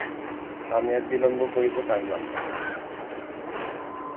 আমি আর বিলম্ব করিতে পারিলাম না।